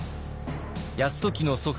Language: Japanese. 泰時の祖父